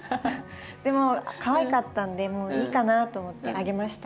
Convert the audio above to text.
でもかわいかったんでもういいかなと思ってあげました。